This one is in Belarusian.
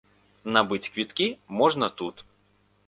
Набыць квіткі можна тут.